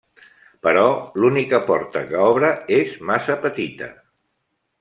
Però, l'única porta que obre és massa petita.